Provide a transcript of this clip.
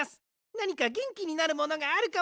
なにかげんきになるものがあるかもしれません。